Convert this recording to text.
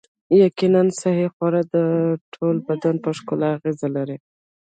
یقیناً صحي خواړه د ټول بدن په ښکلا اغیزه لري